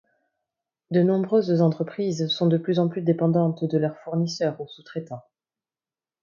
De nombreuses entreprises sont de plus en plus dépendantes de leurs fournisseurs ou sous-traitants.